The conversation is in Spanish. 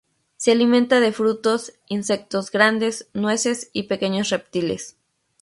Se alimenta de frutos, insectos grandes, nueces y pequeños reptiles.